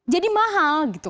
jadi mahal gitu